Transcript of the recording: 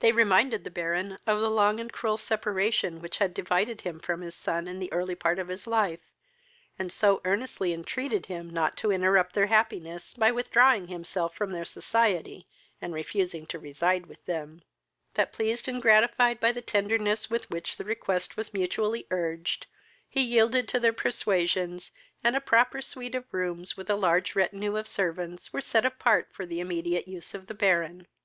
They reminded the Baron of the long and cruel separation which had divided him from his son in the early part of his life, and so earnestly entreated him not to interrupt their happiness, by withdrawing himself from their society, and refusing to reside with them, that, pleased and gratified by the tenderness with which the request was mutually urged, he yielded to their persuasions, and a proper suite of rooms, with a large retinue of servants, were set apart for the immediate use of the Baron.